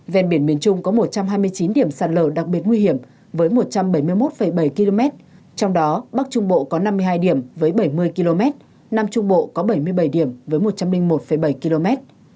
ven biển miền trung có một trăm hai mươi chín điểm sạt lở đặc biệt nguy hiểm với một trăm bảy mươi một bảy km trong đó bắc trung bộ có năm mươi hai điểm với bảy mươi km nam trung bộ có bảy mươi bảy điểm với một trăm linh một bảy km